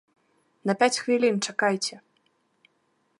На пяць хвілін чакайце!